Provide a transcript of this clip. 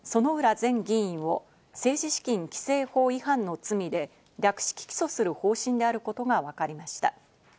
前議員を政治資金規正法違反の罪で略式起訴する方針であることがわかりました。